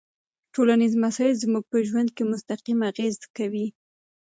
ټولنيز مسایل زموږ په ژوند مستقیم اغېز کوي.